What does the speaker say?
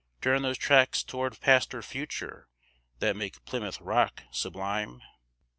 Turn those tracks toward Past or Future, that make Plymouth rock sublime?